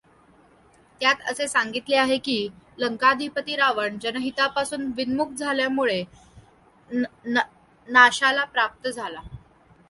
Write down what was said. त्यात असे सांगितले आहे की, लंकाधिपती रावण जनहितापासून विन् मुख झाल्यामुळे नाशाला प्राप्त झाला.